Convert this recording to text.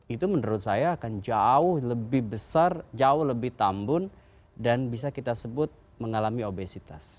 itu menurut saya akan jauh lebih besar jauh lebih tambun dan bisa kita sebut mengalami obesitas